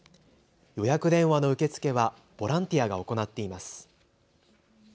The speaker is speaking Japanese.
予約電話の受け付けはボランティアが行っています。